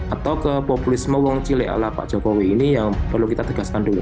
atau ke populisme wong cilik ala pak jokowi ini yang perlu kita tegaskan dulu